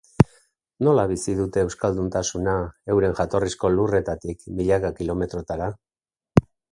Nola bizi dute euskalduntasuna euren jatorrizko lurretatik milaka kilometrotara?